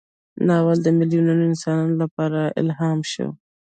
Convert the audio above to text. ناول د میلیونونو انسانانو لپاره الهام شو.